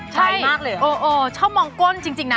ใช่โอ่อย่างนี้ชอบมองก้นจริงนะ